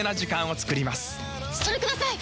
それください！